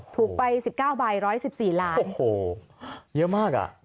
ถูกไป๑๙ใบ๑๑๔ล้านโอ้โหเยอะมากอ่ะ